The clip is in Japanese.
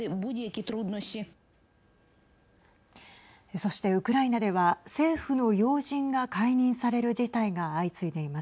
そして、ウクライナでは政府の要人が解任される事態が相次いでいます。